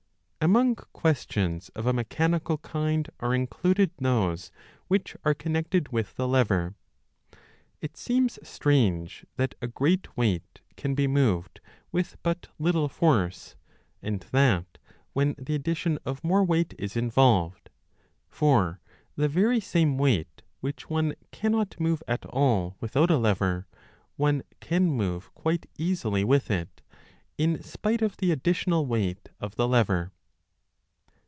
Among questions of a mechanical kind are included 847 b those which are connected with the lever. It seems strange that a great weight can be moved with but little force, and that when the addition of more weight is involved ; for the very same weight, which one cannot move at all without a lever, one can move quite easily with it, in spite 15 of the additional weight of the lever.